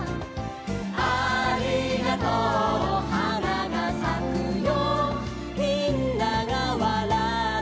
「ありがとうのはながさくよ」